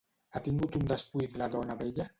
Ha tingut un descuit la dona vella?